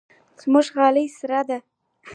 زموږ غالۍ سره ده.